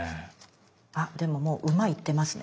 あでももう馬行ってますね。